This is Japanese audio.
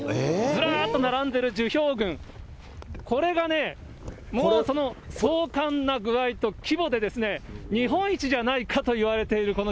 ずらーっと並んでる樹氷群、これが、もう壮観な具合と、規模で、日本一じゃないかといわれている